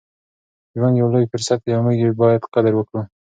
ژوند یو لوی فرصت دی او موږ یې باید قدر وکړو.